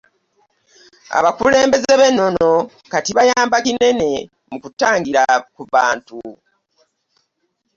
Abakulembeze b’ennono kati bayamba kinene mu kutangira kubba bintu.